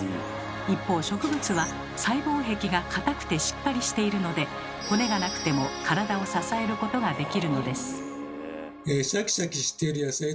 一方植物は細胞壁が硬くてしっかりしているので骨がなくても体を支えることができるのです。